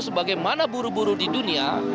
sebagaimana buru buru di dunia